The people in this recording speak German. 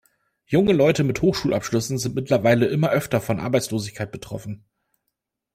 Junge Leute mit Hochschulabschlüssen sind mittlerweile immer öfter von Arbeitslosigkeit betroffen.